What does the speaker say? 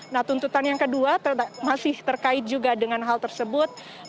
nah tuntutan yang kedua masih terkait juga dengan hal tersebut